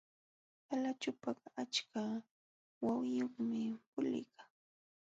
Qalaćhupakaq achka wawiyuqmi puliykan.